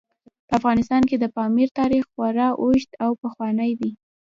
په افغانستان کې د پامیر تاریخ خورا اوږد او پخوانی دی.